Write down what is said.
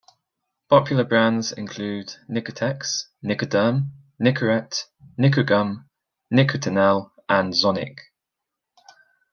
Popular brands include Nicotex, Nicoderm, Nicorette, Nicogum, Nicotinell and Zonnic.